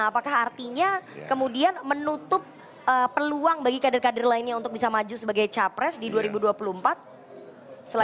apakah artinya kemudian menutup peluang bagi kader kader lainnya untuk bisa maju sebagai capres di dua ribu dua puluh empat